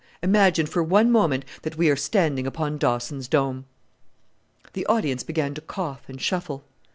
Imagine for one moment that we are standing upon Dawson's Dome." The audience began to cough and shuffle.